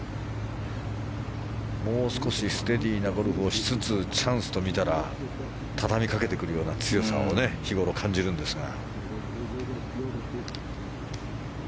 もう少しステディなゴルフをしつつチャンスと見たらたたみかけてくるような強さを日ごろ感じるんですが。